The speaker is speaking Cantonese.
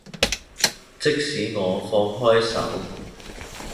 即使我放開手